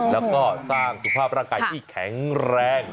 แล้วก็สร้างสุขภาพร่างกายที่แข็งแรง